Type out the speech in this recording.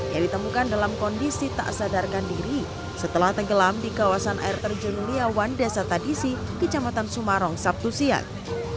yang ditemukan dalam kondisi tak sadarkan diri setelah tenggelam di kawasan air terjun liawan desa tadisi kecamatan sumarong sabtu siang